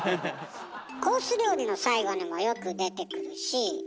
コース料理の最後にもよく出てくるしはい！